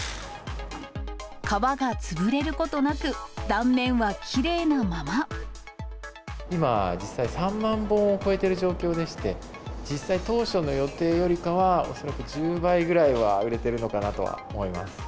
皮が潰れることなく、断面は今、実際、３万本を超えてる状況でして、実際、当初の予定よりかは、恐らく１０倍ぐらいは売れてるのかなとは思います。